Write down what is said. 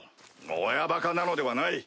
親バカなのではない。